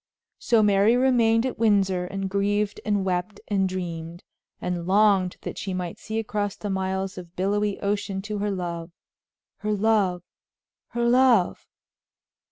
So Mary remained at Windsor and grieved and wept and dreamed, and longed that she might see across the miles of billowy ocean to her love! her love! her love!